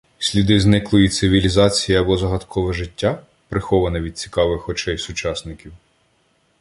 Сліди зниклої цивілізації або загадкове життя, приховане від цікавих очей сучасників?